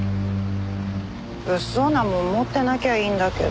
物騒なもん持ってなきゃいいんだけど。